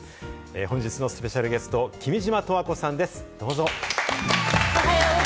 本日のスペシャルゲスト・君島十和子さんです。